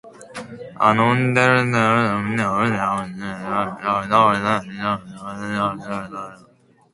A non-denominational moral philosophy replaced theology in many college curricula.